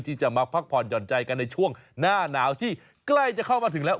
ที่จะมาพักผ่อนหย่อนใจกันในช่วงหน้าหนาวที่ใกล้จะเข้ามาถึงแล้ว